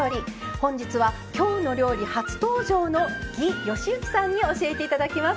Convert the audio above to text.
本日は「きょうの料理」初登場の魏禧之さんに教えて頂きます。